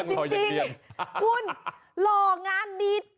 จริงคุณหล่องานนี้